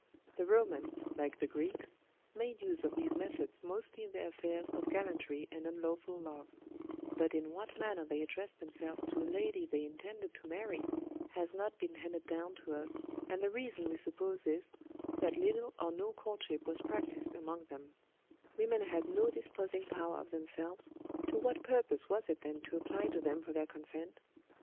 The Romans, like the Greeks, made use of these methods mostly in their affairs of gallantry and unlawful love; but in what manner they addressed themselves to a lady they intended to marry, has not been handed down to us, and the reason we suppose is, that little or no courtship was practised among them; women had no disposing power of themselves, to what purpose was it then to apply to them for their consent?